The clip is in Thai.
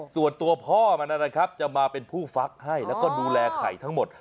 ส่วนตัวพ่อมันนะครับจะมาเป็นผู้ฟักให้แล้วก็ดูแลไข่ทั้งหมด